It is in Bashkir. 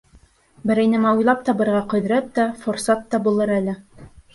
Берәй нәмә уйлап табырға ҡөҙрәт тә, форсат та булыр әле.